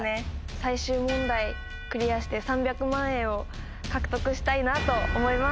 最終問題クリアして３００万円を獲得したいなと思います。